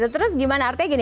terus gimana artinya gini